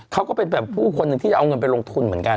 เขาก็เป็นแบบผู้คนหนึ่งที่จะเอาเงินไปลงทุนเหมือนกัน